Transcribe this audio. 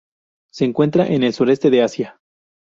Se encuentra en el Sureste de Asia.